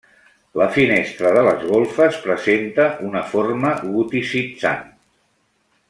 La finestra de les golfes presenta una forma goticitzant.